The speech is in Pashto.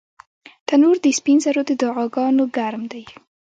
تنور د سپین زرو د دعاګانو ګرم دی